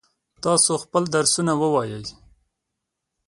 تاسو خپل درسونه ووایئ.